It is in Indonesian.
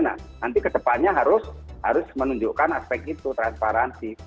nah nanti ke depannya harus menunjukkan aspek itu transparansi